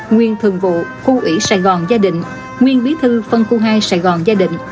nguyên thường vụ khu ủy sài gòn gia định nguyên bí thư phân khu hai sài gòn gia định